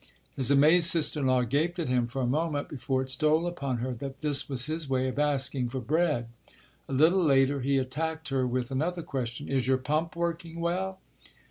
His amazed sister in law gaped at him for a moment before it stole upon her that this was his way of asking for bread. A little later he attacked her with another question: "Is your pump working well?"